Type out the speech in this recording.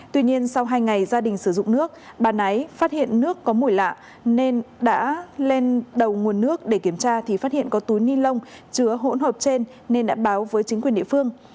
tuy nhiên sau hai ngày gia đình sử dụng nước bà nái phát hiện nước có mùi lạ nên đã lên đầu nguồn nước để kiểm tra thì phát hiện có túi ni lông chứa hỗn hợp trên nên đã báo với chính quyền địa phương